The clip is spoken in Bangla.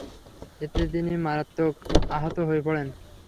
এতে তিনি মারাত্মক আহত হয়ে পড়েন।